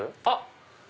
あっ！